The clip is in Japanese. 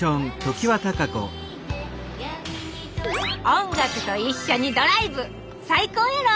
音楽と一緒にドライブ最高やろ！